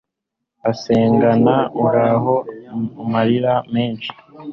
asengana uhoraho amarira menshi